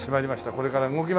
これから動きます。